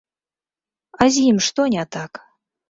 А з ім што не так?